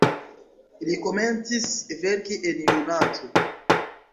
Li komencis verki en junaĝo.